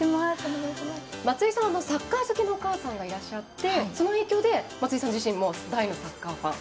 松井さんはサッカー好きのお母さんがいらっしゃってその影響で松井さん自身も大のサッカーファン。